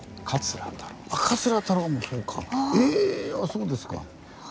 そうですか。